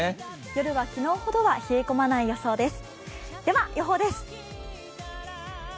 夜は昨日ほどは冷え込まない予想です。